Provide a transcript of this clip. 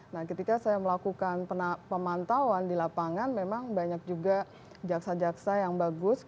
nah ketika saya melakukan pemantauan di lapangan memang banyak juga jaksa jaksa yang bagus